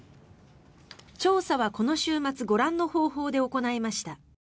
調査はこの週末ご覧の方法で行いました。